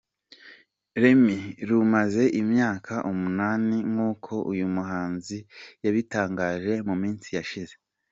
Y na Remy rumaze imyaka umunani nk’uko uyu muhanzi yabitangaje mu minsi yashize.